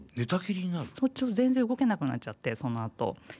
全然動けなくなっちゃってそのあと。